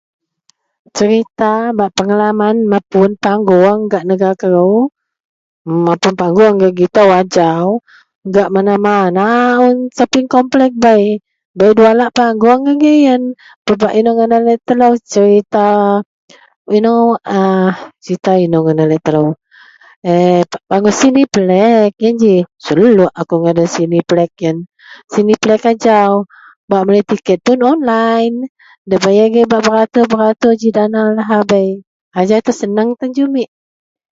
serita bak pengalaman mapun panggoung gak negara kou, mapun panggoung gak gitou ajau, gak mana-mana un shoping komplek bei, bei dua alak panggoung agei bei ien, pebak inou ngadan laie telou serita inou aa, serita inou ngadan laie telou ehh pang cineplexx ien ji seluk akou ngadan cineplex ien, cineplex ajau bak melei tiket pun online, debei agei bak beratur-atur ji danalah lahabei, ajau itou senang tan jumeak.